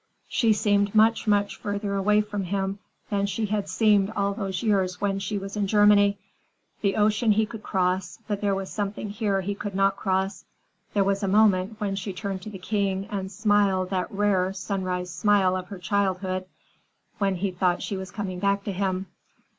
She seemed much, much farther away from him than she had seemed all those years when she was in Germany. The ocean he could cross, but there was something here he could not cross. There was a moment, when she turned to the King and smiled that rare, sunrise smile of her childhood, when he thought she was coming back to him.